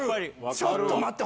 ちょっと待って！